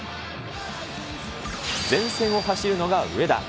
前線を走るのが上田。